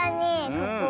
ここ。